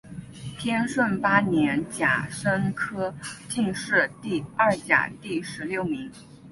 天顺八年甲申科进士第二甲第十六名。